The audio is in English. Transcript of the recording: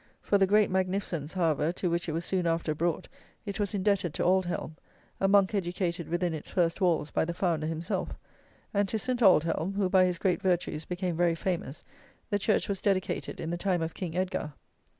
For the great magnificence, however, to which it was soon after brought it was indebted to Aldhelm, a Monk educated within its first walls by the founder himself; and to St. Aldhelm, who by his great virtues became very famous, the Church was dedicated in the time of King Edgar.